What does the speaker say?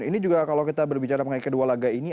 ini juga kalau kita berbicara mengenai kedua laga ini